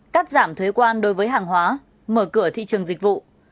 cắt giảm thuế quan đối với hàng hóa mở cửa thị trường dịch vụ